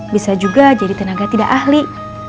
bisa juga jadi tenaga tidak ahli